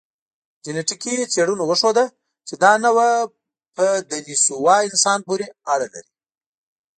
جنټیکي څېړنو وښوده، چې دا نوعه په دنیسووا انسان پورې اړه لري.